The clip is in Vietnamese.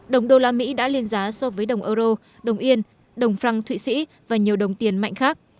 đồng đô la mỹ đã lên giá so với đồng euro đồng yên đồng franc thụy sĩ và nhiều đồng tiền mạnh khác